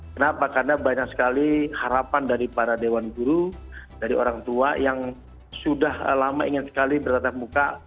kenapa karena banyak sekali harapan dari para dewan guru dari orang tua yang sudah lama ingin sekali bertatap muka